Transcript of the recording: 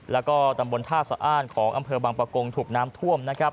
แล้วก็ตำบลท่าสะอ้านของอำเภอบังปะกงถูกน้ำท่วมนะครับ